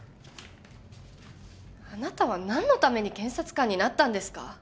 あなたは何のために検察官になったんですか？